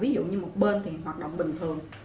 ví dụ như một bên hoạt động bình thường